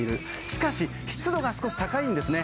しかし、湿度が少し高いんですね。